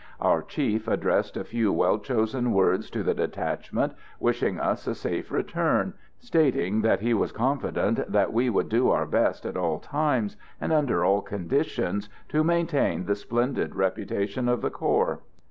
Our chief addressed a few well chosen words to the detachment, wishing us a safe return, stating that he was confident that we would do our best at all times and under all conditions to maintain the splendid reputation of the corps.